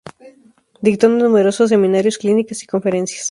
Dictó numerosos seminarios, clínicas y conferencias.